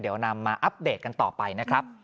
เดี๋ยวนำมาอัปเดตกันต่อไปนะครับ